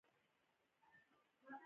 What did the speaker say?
لکه تر زنګانه د لاندې پلې غبرګون.